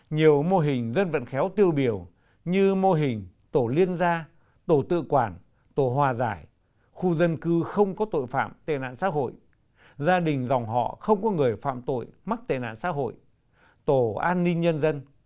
nhiều mô hình dân vận khéo tiêu biểu như mô hình tổ liên gia tổ tự quản tổ hòa giải khu dân cư không có tội phạm tệ nạn xã hội gia đình dòng họ không có người phạm tội mắc tệ nạn xã hội tổ an ninh nhân dân